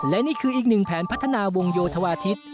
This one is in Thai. และนี่คืออีกหนึ่งแผนพัฒนาวงโยธวาทิศ